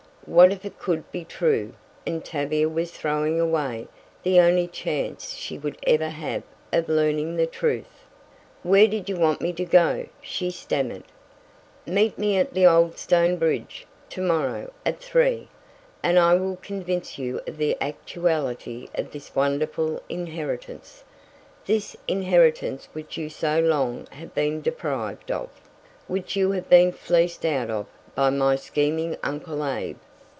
What if it could be true, and Tavia was throwing away the only chance she would ever have of learning the truth? "Where did you want me to go?" she stammered. "Meet me at the old stone bridge to morrow at three, and I will convince you of the actuality of this wonderful inheritance this inheritance which you so long have been deprived of which you have been fleeced out of by my scheming Uncle Abe!"